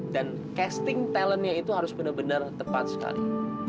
dan casting talentnya itu harus bener bener tepat sekali